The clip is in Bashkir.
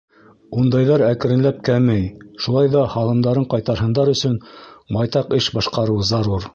Ундайҙар әкренләп кәмей, шулай ҙа һалымдарын ҡайтарһындар өсөн байтаҡ эш башҡарыу зарур.